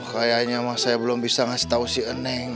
kayaknya mah saya belum bisa ngasih tau si neng